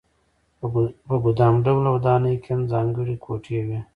په ګدام ډوله ودانۍ کې هم ځانګړې کوټې وې.